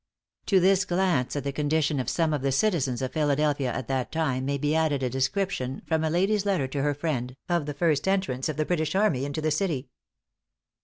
To this glance at the condition of some of the citizens of Philadelphia at that time, may be added a description, from a lady's letter to her friend, of the first entrance of the British army into the city.